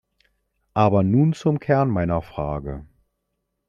Aber nun zum Kern meiner Frage.